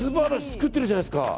作っているじゃないですか。